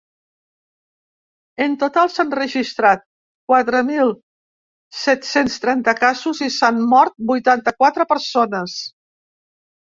En total s’han registrat quatre mil set-cents trenta casos i s’han mort vuitanta-quatre persones.